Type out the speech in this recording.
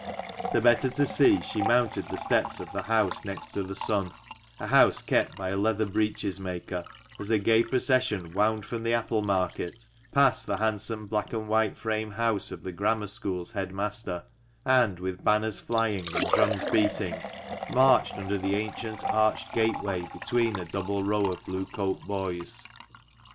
The better to see, she mounted the steps of the house next to the "Sun" — a house kept by a leather breeches maker, — and strained her eyes as the gay procession wound from the apple market, passed the handsome black and white frame house of the Grammar School's head master, and, with banners flying, and drums beating, marched under the ancient arched gateway between a double row of blue coat boys.